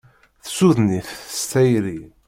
Tessuden-it s tayri